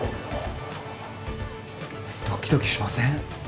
ドキドキしません？